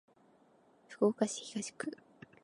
福岡市東区